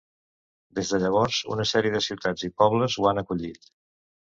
Des de llavors, una sèrie de ciutats i pobles ho han acollit.